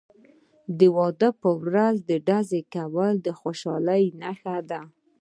د واده په ورځ ډزې کول د خوشحالۍ نښه ده.